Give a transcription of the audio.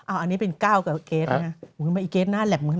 อันนี้เป็นเก้ากับเกรดนะอีเกรดหน้าแหลบมากนาน